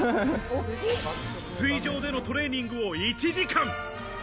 水上でのトレーニングを１時間。